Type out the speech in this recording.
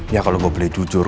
ya kalau gue beli jujur